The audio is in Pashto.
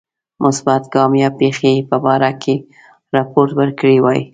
مثبت ګام یا پیښی په باره کې رپوت ورکړی وای.